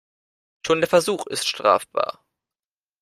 Schon der Versuch ist strafbar.